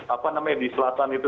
apa namanya di selatan itu